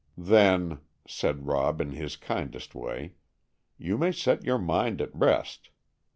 "Then," said Rob in his kindest way, "you may set your mind at rest.